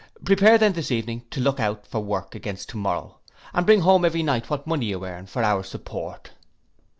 Prepare then this evening to look out for work against to morrow, and bring home every night what money you earn, for our support.